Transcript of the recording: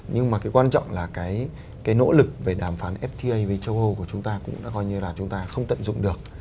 nhưng mà cái quan trọng là cái nỗ lực về đàm phán fta với châu âu của chúng ta cũng đã coi như là chúng ta không tận dụng được